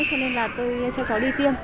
cho nên tôi cho cháu đi tiêm